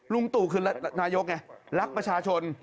ตู่คือนายกไงรักประชาชน